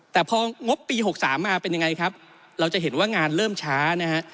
แต่พองบปี๖๓มาเป็นยังไงครับเราจะเห็นว่างานเริ่มช้านะฮะ